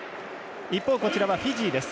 一方、こちらはフィジーです。